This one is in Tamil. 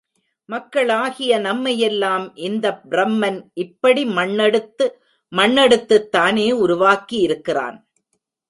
மக்களாகிய நம்மை யெல்லாம் இந்தப் பிரமன் இப்படி மண்ணெடுத்து மண் எடுத்துத்தானே உருவாக்கியிருக்கிறான்!